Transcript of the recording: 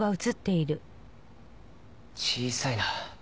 小さいな。